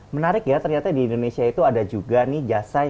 menarik ya ternyata di indonesia itu ada juga jasa yang mencari